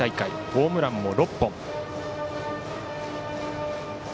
ホームランも６本。